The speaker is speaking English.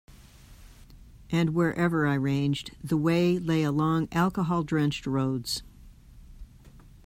And wherever I ranged, the way lay along alcohol-drenched roads.